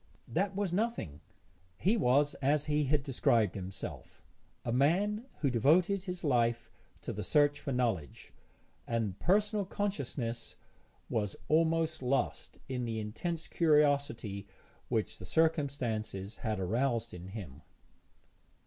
That was nothing; he was, as he had described himself, a man who devoted his life to the search for knowledge, and personal consciousness was almost lost in the intense curiosity which the circumstances had aroused in him.